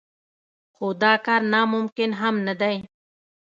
خو دا کار ناممکن هم نه دی.